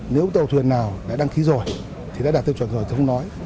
nếu tàu thuyền nào đã đăng ký rồi thì đã đạt tiêu chuẩn rồi tôi không nói